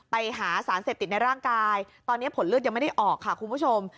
ไปหาสารเสพติดในร่างกายตอนนี้ผลเลือดยังไม่ได้ออกค่ะคุณผู้ชม